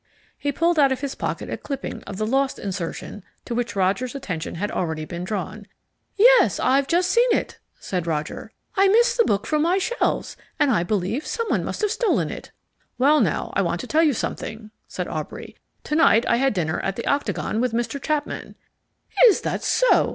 He pulled out of his pocket a clipping of the LOST insertion to which Roger's attention had already been drawn. "Yes, I've just seen it," said Roger. "I missed the book from my shelves, and I believe someone must have stolen it." "Well, now, I want to tell you something," said Aubrey. "To night I had dinner at the Octagon with Mr. Chapman." "Is that so?"